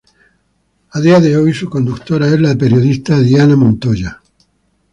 A día de hoy su conductora es la periodista Diana Montoya.